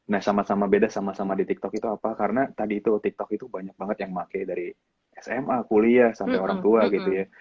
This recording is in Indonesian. nah sama sama beda sama sama di tiktok itu apa karena tadi itu tiktok itu banyak banget yang pakai dari sma kuliah sampai orang tua gitu ya